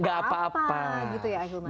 gak apa apa gitu ya ahilman